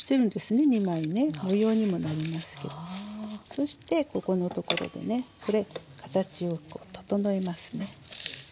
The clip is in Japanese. そしてここのところでねこれ形を整えますね。